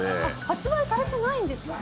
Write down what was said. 発売されてないんですか？